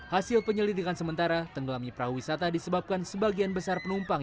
hasil penyelidikan sementara tenggelamnya perahu wisata disebabkan sebagian besar penumpang